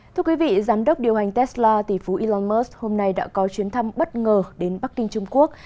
thưa quý vị giám đốc điều hành tesla tỷ phú elon musk hôm nay đã có chuyến thăm bất ngờ đến bắc kinh trung quốc